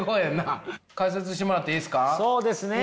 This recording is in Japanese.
解説してもらっていいですか？